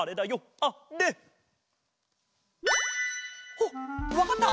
おっわかった？